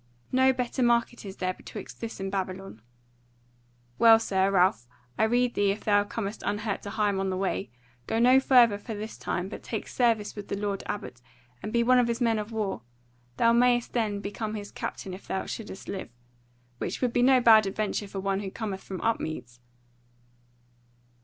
No better market is there betwixt this and Babylon. Well, Sir Ralph, I rede thee if thou comest unhurt to Higham on the Way, go no further for this time, but take service with the lord abbot, and be one of his men of war; thou may'st then become his captain if thou shouldest live; which would be no bad adventure for one who cometh from Upmeads."